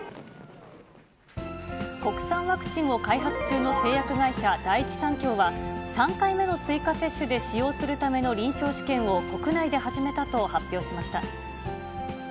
国産ワクチンを開発中の製薬会社、第一三共は、３回目の追加接種で使用するための臨床試験を国内で始めたと発表しました。